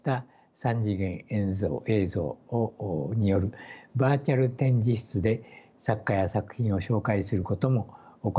３次元映像によるバーチャル展示室で作家や作品を紹介することも行っております。